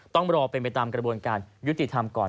ต้องรอเป็นไปตามกระบวนการยุติธรรมก่อน